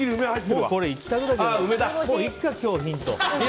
もういっか、今日ヒント。